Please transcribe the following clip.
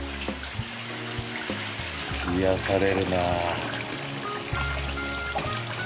癒やされるな。